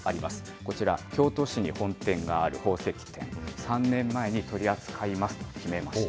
こちら、京都市に本店がある宝石店、３年前に取り扱いますと決めました。